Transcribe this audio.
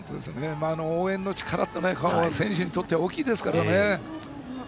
応援の力は選手にとって大きいですからね。